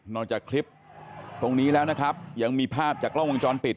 จากคลิปตรงนี้แล้วนะครับยังมีภาพจากกล้องวงจรปิด